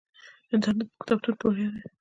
انټرنیټ په کتابتون کې وړیا دی.